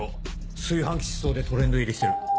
「炊飯器失踪」でトレンド入りしてる。